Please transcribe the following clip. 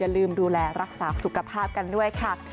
ลืมดูแลรักษาสุขภาพกันด้วยค่ะ